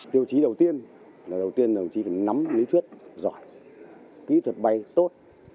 tiêu chí đầu tiên là đầu tiên đồng chí phải nắm lý thuyết giỏi kỹ thuật bay tốt